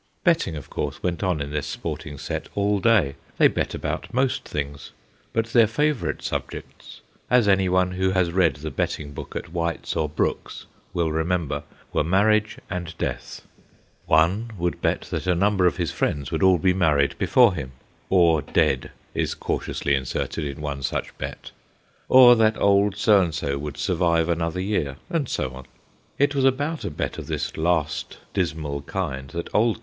Betting, of course, went on in this sport ing set all day. They bet about most things, but their favourite subjects, as any one who has read the Betting Book at White's or Brooks's will remember, were marriage and death. One would bet that a number of his friends would all be married before him * or dead ' is cautiously inserted in one such bet or that old So and so would survive another year, and so on. It was about a bet of this last dismal kind that Old Q.